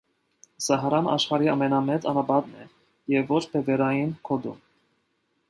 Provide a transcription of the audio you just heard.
Սահարան աշխարհի ամենամեծ անապատն է ոչ բևեռային գոտում։